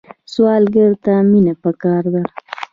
سوالګر ته مینه پکار ده